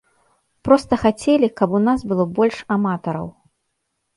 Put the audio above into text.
Проста хацелі, каб у нас было больш аматараў.